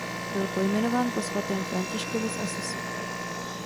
Byl pojmenován po svatém Františkovi z Assisi.